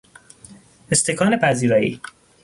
استکان پذیرایی